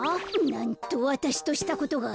なんとわたしとしたことが。